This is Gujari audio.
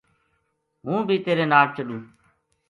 ہوں بی تیرے ناڑ چلوں‘‘